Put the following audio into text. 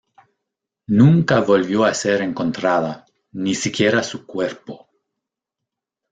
Nunca volvió a ser encontrada, ni siquiera su cuerpo.